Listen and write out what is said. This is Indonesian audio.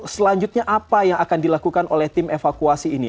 selanjutnya apa yang akan dilakukan oleh tim evakuasi ini